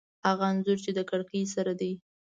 هغه انځور چې د کړکۍ سره دی